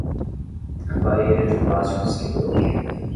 A barreira de plástico se quebrou.